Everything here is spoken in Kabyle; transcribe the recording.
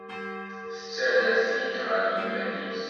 Tettara-t-id ɣer yiman-is.